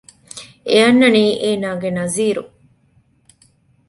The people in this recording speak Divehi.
އެ އަންނަނީ އޭނާގެ ނަޒީރު